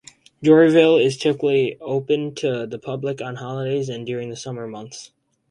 Dairyville is typically open to the public on holidays and during the summer months.